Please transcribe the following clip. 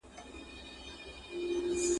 ټولنه د مختلفو علومو زده کونکو ته اړتیا لري.